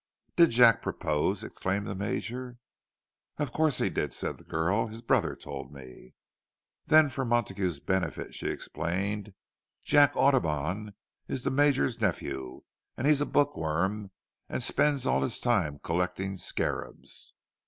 "Did Jack propose?" exclaimed the Major. "Of course he did," said the girl. "His brother told me." Then, for Montague's benefit, she explained, "Jack Audubon is the Major's nephew, and he's a bookworm, and spends all his time collecting scarabs."